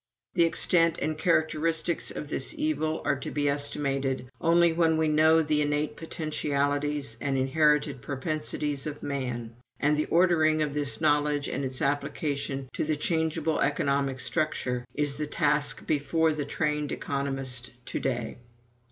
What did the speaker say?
The extent and characteristics of this evil are to be estimated only when we know the innate potentialities and inherited propensities of man; and the ordering of this knowledge and its application to the changeable economic structure is the task before the trained economist to day."